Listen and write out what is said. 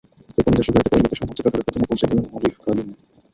এরপর নিজস্ব গাড়িতে করে লোকেশন মানচিত্র ধরে প্রথমেই পৌঁছে গেলাম অলিভ গার্ডেনে।